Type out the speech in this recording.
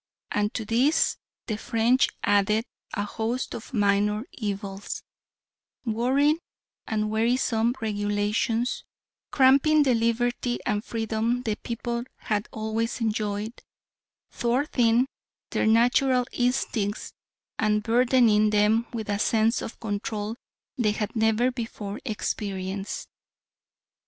And to these the French added a host of minor evils: worrying and wearisome regulations, cramping the liberty and freedom the people had always enjoyed, thwarting their natural instincts and burthening them with a sense of control they had never before experienced.